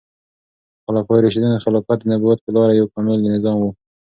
د خلفای راشدینو خلافت د نبوت په لاره یو کامل نظام و.